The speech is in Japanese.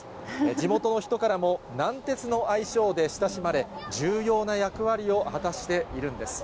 地元の人からも、南鉄の愛称で親しまれ、重要な役割を果たしているんです。